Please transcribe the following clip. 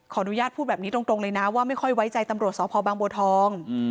อนุญาตพูดแบบนี้ตรงเลยนะว่าไม่ค่อยไว้ใจตำรวจสพบางบัวทอง